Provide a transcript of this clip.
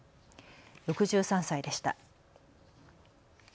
６３歳でした。